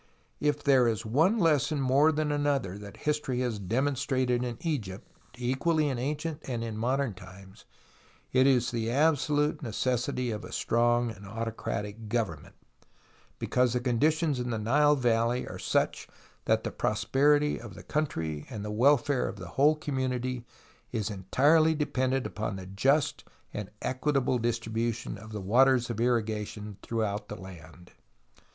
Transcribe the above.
If there is one lesson more than another that history has demonstrated in Egypt, equally in ancient and in modern times, it is the absolute neces sity of a strong and autocratic Government, 50 TUTANKHAMEN because the conditions in the Nile Valley are siicli that the prosperity of the country and the welfare of the whole community is entirely dependent upon the just and equitable distribu tion of the waters of irri"ation throufjliout the land.